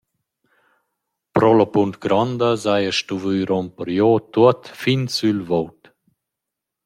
Pro la punt gronda s’haja stuvü rumper giò tuot fin sül vout.